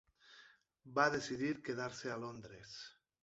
Va decidir quedar-se a Londres.